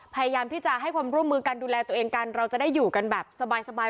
พยายามที่จะให้ความร่วมมือกันดูแลตัวเองกันเราจะได้อยู่กันแบบสบาย